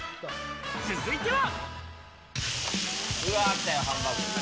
続いては。